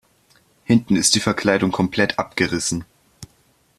Hinten ist die Verkleidung komplett abgerissen.